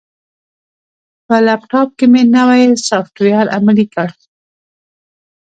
په لپټاپ کې مې نوی سافټویر عملي کړ.